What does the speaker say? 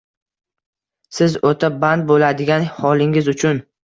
siz o‘ta band bo‘ladigan holingiz uchun